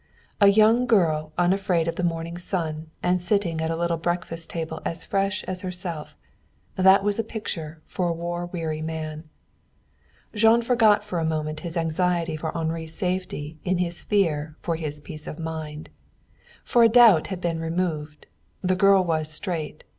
A young girl unafraid of the morning sun and sitting at a little breakfast table as fresh as herself that was a picture for a war weary man. Jean forgot for a moment his anxiety for Henri's safety in his fear for his peace of mind. For a doubt had been removed. The girl was straight.